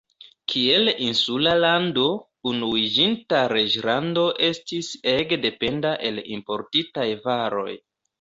Kiel insula lando, Unuiĝinta Reĝlando estis ege dependa el importitaj varoj.